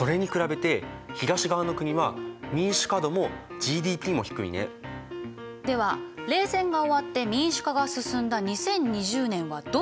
では冷戦が終わって民主化が進んだ２０２０年はどうなったか？